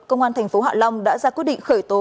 công an thành phố hạ long đã ra quyết định khởi tố